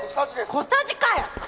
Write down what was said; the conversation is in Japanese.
小さじかよ！